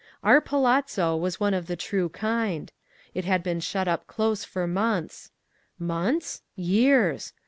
Our palazzo was one of the true kind. It had been shut up close for months. Months?—years!